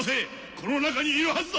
この中にいるはずだ！